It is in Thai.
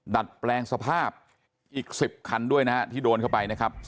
ดัดแปลงสภาพอีก๑๐คันด้วยนะฮะที่โดนเข้าไปนะครับ